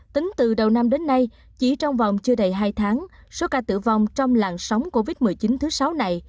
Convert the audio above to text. tính từ đầu năm đến nay chỉ trong vòng chưa đầy hai tháng số ca tử vong trong làng sóng covid một mươi chín thứ sáu này